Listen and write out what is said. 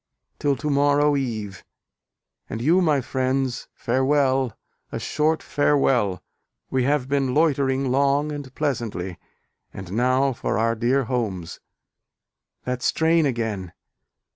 till to morrow eve, And you, my friends! farewell, a short farewell! We have been loitering long and pleasantly, And now for our dear homes. That strain again!